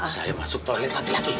saya masuk toilet laki laki